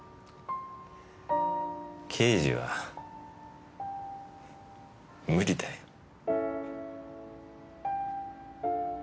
刑事は無理だよ。